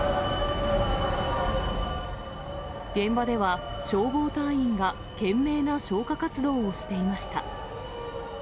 現場では、消防隊員が懸命な消火活動をしていました。